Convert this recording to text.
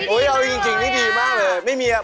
อุ๊ยเอาจริงนี่ดีมากเลย